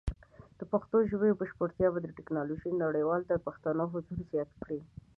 د پښتو ژبې بشپړتیا به د ټیکنالوجۍ نړۍ ته د پښتنو حضور زیات کړي.